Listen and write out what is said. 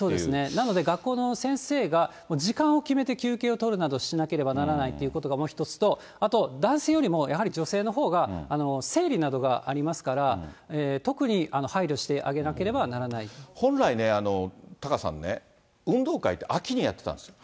なので、学校の先生が時間を決めて休憩を取るなどしなければならないということがあるのと、あと男性よりもやはり女性のほうが生理などがありますから、特に本来ね、タカさんね、運動会って秋にやってたんですよ。